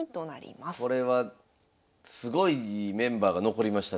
これはすごいメンバーが残りましたね。